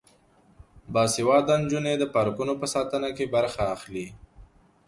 باسواده نجونې د پارکونو په ساتنه کې برخه اخلي.